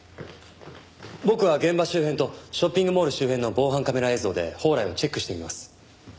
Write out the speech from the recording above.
僕は現場周辺とショッピングモール周辺の防犯カメラ映像で宝来をチェックしてみます。